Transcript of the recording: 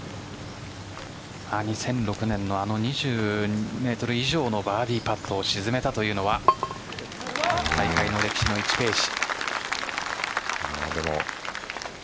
２００６年のあの２２メートル以上のバーディーパットを沈めたというのは今大会の歴史の１ページ。